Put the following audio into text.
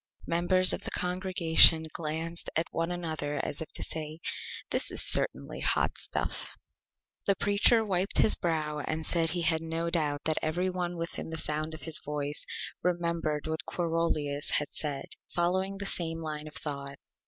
Members of the Congregation glanced at one another as if to say: "This is certainly Hot Stuff!" The Preacher wiped his Brow and said he had no Doubt that every one within the Sound of his Voice remembered what Quarolius had said, following the same Line of Thought.